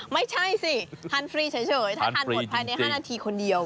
ไม่ใช่สิทานฟรีเฉยถ้าทานหมดภายใน๕นาทีคนเดียว